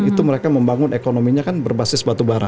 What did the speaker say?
itu mereka membangun ekonominya kan berbasis batubara